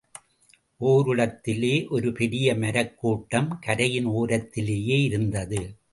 ஓரிடத்திலே ஒரு பெரிய மரக் கூட்டம் கரையின் ஓரத்திலேயே இருந்தது.